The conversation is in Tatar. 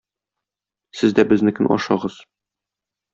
сез дә безнекен ашагыз.